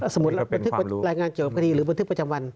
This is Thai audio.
สมมุติรายงานเกี่ยวกับคลีป์หรือบันทึกประจำวัน